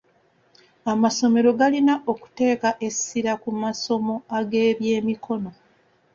Amasomero galina okuteeka essira ku masomo ag'ebyemikono.